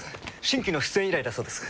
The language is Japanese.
新規の出演依頼だそうです。